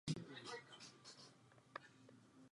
Je to jedno z řešení.